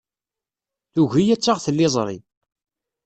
Tugi ad taɣ tliẓri.